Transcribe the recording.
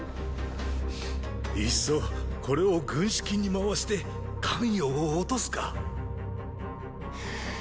いっそこれを軍資金に回して咸陽を落とすか。